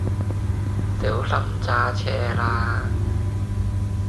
小心揸車喇